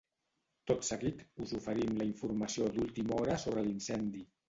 Tot seguit us oferim la informació d’última hora sobre l’incendi.